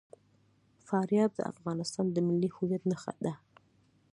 فاریاب د افغانستان د ملي هویت نښه ده.